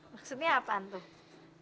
maksudnya apaan tuh